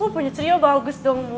punya cirio bagus dong bu